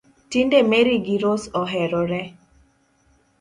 Tinde Mary gi Rose oherore